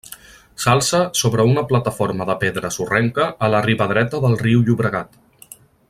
S'alça sobre una plataforma de pedra sorrenca a la riba dreta del riu Llobregat.